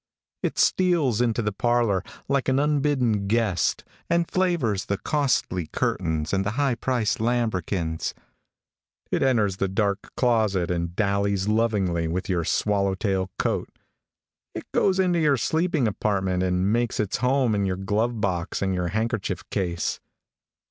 It steals into the parlor, like an unbidden guest, and flavors the costly curtains and the high priced lambrequins. It enters the dark closet and dallies lovingly with your swallowtail coat. It goes into your sleeping apartment, and makes its home in your glove box and your handkerchief case.